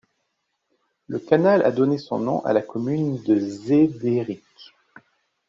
Le canal a donné son nom à la commune de Zederik.